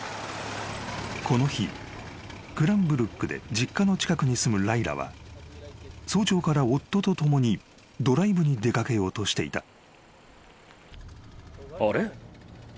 ［この日クランブルックで実家の近くに住むライラは早朝から夫と共にドライブに出掛けようとしていた］